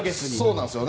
そうなんです。